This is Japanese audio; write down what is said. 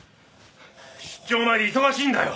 出張前で忙しいんだよ！